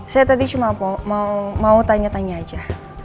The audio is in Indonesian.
saya tadi cuma mau tanya tanya aja